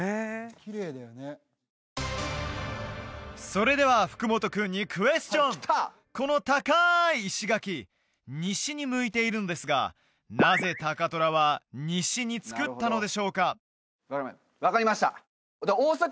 それでは福本君にこの高い石垣西に向いているのですがなぜ高虎は西に造ったのでしょうか？